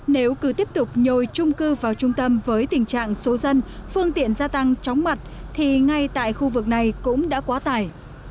nếu cứ tiếp tục nhồi trung cư vào trung tâm với tình trạng số dân phương tiện gia tăng chóng mặt thì ngay tại khu vực này cũng đã quá tải